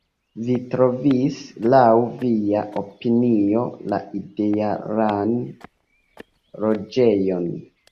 Vi trovis, laŭ via opinio, la idealan loĝejon.